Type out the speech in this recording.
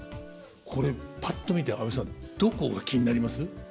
これぱっと見て安部さんどこが気になります？